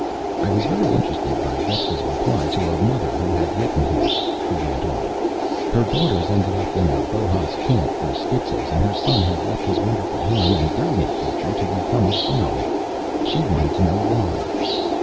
"I was very interested by Vespa's reply to a mother who had written him," he went on. "Her daughter ended up in a Bohas camp for schizos, and her son had left his wonderful home and brilliant future to become a bum. She wanted to know why.